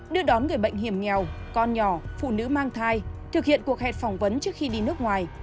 đưa đón người bệnh hiểm nghèo con nhỏ phụ nữ mang thai thực hiện cuộc hẹn phỏng vấn trước khi đi nước ngoài